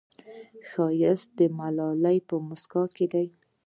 ښایست د ملالې په موسکا کې دی